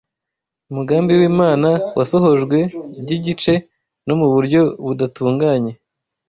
Umugambi w’Imana wasohojwe by’igice no mu buryo budatunganye